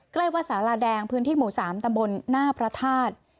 ใกล้วัดสาราแดงพื้นที่หมู่๓ตำบลหน้าพระธาตุ